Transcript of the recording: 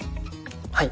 はい。